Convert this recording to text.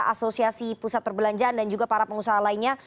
asosiasi pusat perbelanjaan dan juga para pengusaha lainnya